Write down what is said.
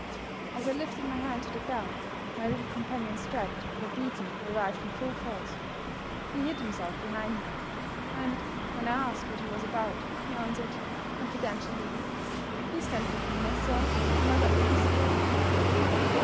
As I lifted my hand to the bell, my little companion's dread of a beating revived in full force. He hid himself behind me; and when I asked what he was about, he answered, confidentially: "Please stand between us, sir, when mother opens the door!"